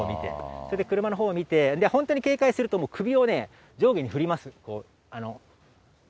それで車のほうを見て、で、本当に警戒すると、もう首を、上下に振ります。